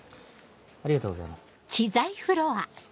ありがとうございます。